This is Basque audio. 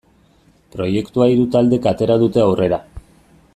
Proiektua hiru taldek atera dute aurrera.